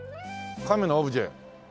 亀のオブジェ。